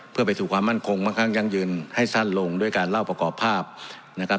เพื่อไปสู่ความมั่นคงมั่งข้างยั่งยืนให้สั้นลงด้วยการเล่าประกอบภาพนะครับ